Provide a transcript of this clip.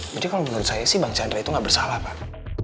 jadi kalau menurut saya sih bang chandra itu gak bersalah pak